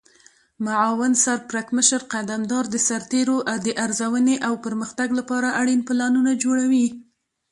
معاون سرپرکمشر قدمدار د سرتیرو د ارزونې او پرمختګ لپاره اړین پلانونه جوړوي.